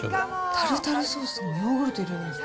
タルタルソースにヨーグルト入れるんですか。